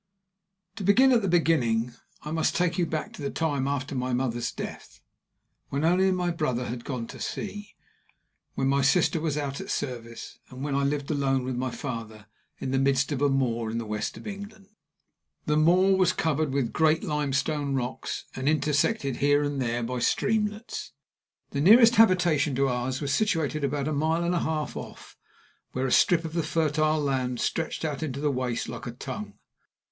To begin at the beginning, I must take you back to the time after my mother's death, when my only brother had gone to sea, when my sister was out at service, and when I lived alone with my father in the midst of a moor in the west of England. The moor was covered with great limestone rocks, and intersected here and there by streamlets. The nearest habitation to ours was situated about a mile and a half off, where a strip of the fertile land stretched out into the waste like a tongue.